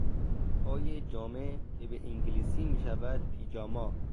پای جامه که به انگلیسی میشود پیجاما